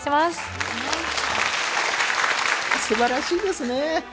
すばらしいですねぇ。